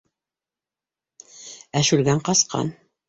Ә Шүлгән ҡасҡан.